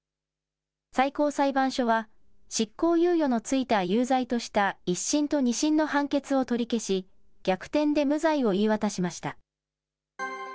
最高裁判所は、執行猶予のついた有罪とした１審と２審の判決を取り消し、逆転で無罪を言い渡しました。